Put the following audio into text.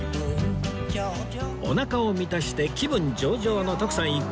おなかを満たして気分上々の徳さん一行